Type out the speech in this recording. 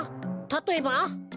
たとえば？